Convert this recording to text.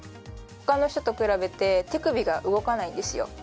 他の人と比べて手首が動かないんですよ。